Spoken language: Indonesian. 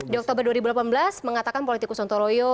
di oktober dua ribu delapan belas mengatakan politikus sontoloyo